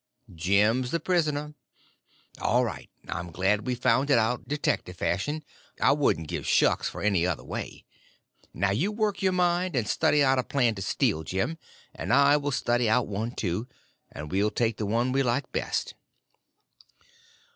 Jim's the prisoner. All right—I'm glad we found it out detective fashion; I wouldn't give shucks for any other way. Now you work your mind, and study out a plan to steal Jim, and I will study out one, too; and we'll take the one we like the best."